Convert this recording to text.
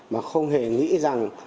mà không hề nghĩ rằng